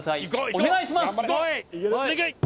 お願いします